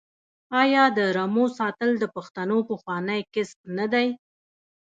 آیا د رمو ساتل د پښتنو پخوانی کسب نه دی؟